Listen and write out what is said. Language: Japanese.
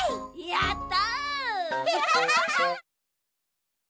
やった！